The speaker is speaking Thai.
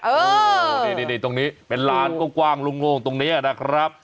เออเนี่ยตรงนี้เป็นล้านโกล่ว้งโล่งตรงเนี่ยน่ะครับ